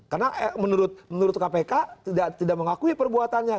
karena menurut kpk tidak mengakui perbuatannya